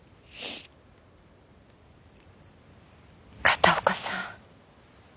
片岡さん。